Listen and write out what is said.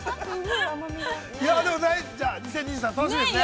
でも、２０２３、楽しみですね。